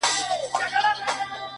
يارانو راټوليږی چي تعويذ ورڅخه واخلو،